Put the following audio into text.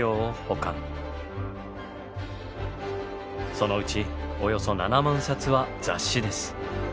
そのうちおよそ７万冊は雑誌です。